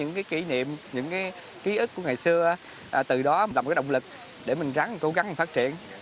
những cái kỷ niệm những cái ký ức của ngày xưa từ đó là một cái động lực để mình rắn cố gắng phát triển